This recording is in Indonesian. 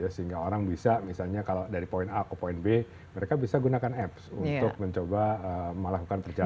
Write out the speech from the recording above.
sehingga orang bisa misalnya kalau dari poin a ke poin b mereka bisa gunakan apps untuk mencoba melakukan perjalanan